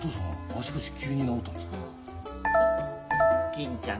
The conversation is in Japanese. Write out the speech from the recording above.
銀ちゃん